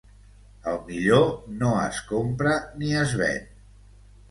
El millor no es compra ni es ven.